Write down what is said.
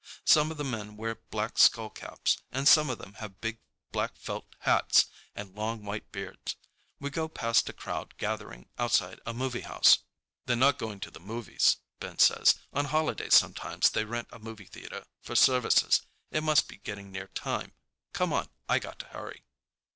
Some of the men wear black skullcaps, and some of them have big black felt hats and long white beards. We go past a crowd gathering outside a movie house. "They're not going to the movies," Ben says. "On holidays sometimes they rent a movie theater for services. It must be getting near time. Come on, I got to hurry."